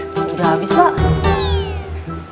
udah habis pak